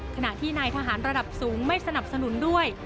ขณะที่นายทหารระดับสูงไม่สนับสนุนด้วย